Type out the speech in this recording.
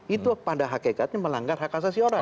itu pada hakikatnya melanggar hak asasi orang